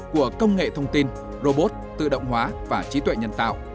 của công nghệ thông tin robot tự động hóa và trí tuệ nhân tạo